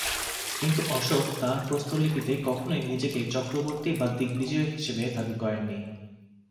কিন্তু অশোক তাঁর প্রস্তরলিপিতে কখনোই নিজেকে চক্রবর্তী বা দিগ্বিজয়ী হিসেবে দাবি করেন নি।